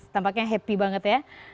tampaknya happy banget ya